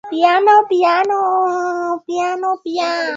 Tamasha Hilo hufanyika kwa siku kadhaa ndani ya wiki husika